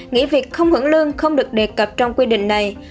nghỉ việc không hưởng lương không được đề cập trong quy định này